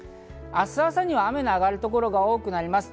明日朝には雨の上がる所が多くなります。